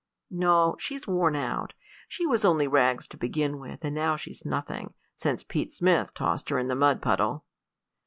"No; she's worn out. She was only rags to begin with, and now she's nothing, since Pete Smith tossed her in the mud puddle."